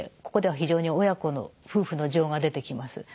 ここでは非常に親子の夫婦の情が出てきます。